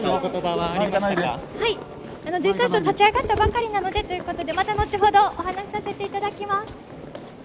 はい、デジタル庁、立ち上がったばかりなのでということで、また後ほど、お話しさせていただきます。